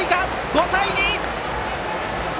５対２！